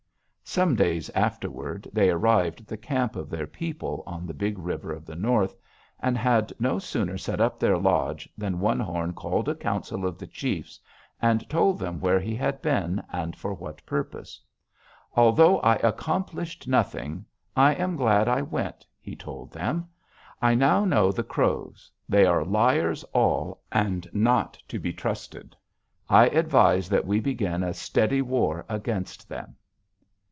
"Some days afterward they arrived at the camp of their people on the Big River of the North, and had no sooner set up their lodge than One Horn called a council of the chiefs and told them where he had been and for what purpose. "'Although I accomplished nothing, I am glad I went,' he told them. 'I now know the Crows. They are liars all, and not to be trusted. I advise that we begin a steady war against them.'